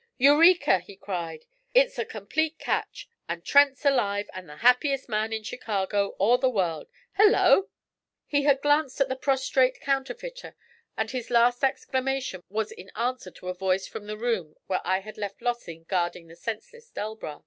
'Eureka!' he cried. 'It's a complete catch; and Trent's alive, and the happiest man in Chicago, or the world. Hello!' He had glanced at the prostrate counterfeiter, and his last exclamation was in answer to a voice from the room where I had left Lossing guarding the senseless Delbras.